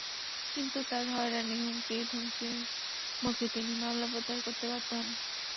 কিন্তু তাঁর হয়রানি, হুমকি-ধমকির মুখে তিনি মামলা প্রত্যাহার করতে বাধ্য হন।